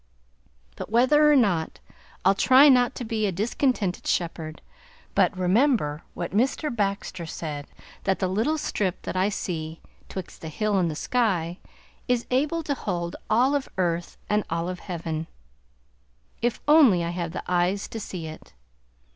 But whether or not, I'll try not to be a discontented shepherd, but remember what Mr. Baxter said, that the little strip that I see "twixt the hill and the sky" is able to hold all of earth and all of heaven, if only I have the eyes to see it.